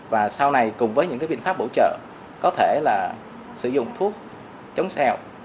và sau này cùng với những biện pháp bổ trợ có thể là sử dụng thuốc chống sẹo